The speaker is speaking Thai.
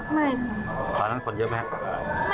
แต่ก็ยังไม่มีการทำร้ายเลยค่ะไม่ค่ะตอนนั้นคนเยอะไหมครับไม่มีครับ